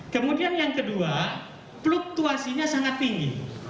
kemudian yang kedua fluktuasinya sangat tinggi